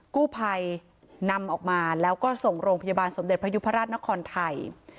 กู้ภัยนำออกมาแล้วก็ส่งโรงพยาบาลสมเด็จพระยุพราชนครไทย